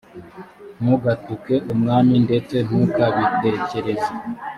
ntugatuke umwami ndetse ntukabitekereze